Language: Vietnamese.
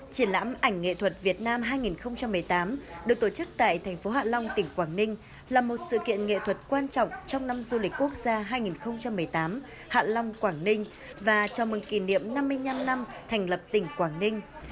triển lãm ảnh nghệ thuật việt nam hai nghìn một mươi tám được tổ chức tại thành phố hạ long tỉnh quảng ninh là một sự kiện nghệ thuật quan trọng trong năm du lịch quốc gia hai nghìn một mươi tám hạ long quảng ninh và chào mừng kỷ niệm năm mươi năm năm thành lập tỉnh quảng ninh